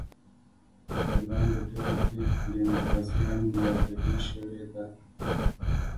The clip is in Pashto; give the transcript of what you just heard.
په لنډو ټکو کې ډیموکراسي هم نیابتي شوې ده.